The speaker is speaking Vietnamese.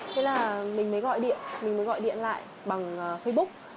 thế là mình mới gọi điện mình mới gọi điện lại bằng facebook